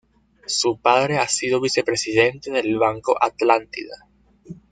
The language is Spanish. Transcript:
Su padre ha sido vicepresidente del Banco Atlántida.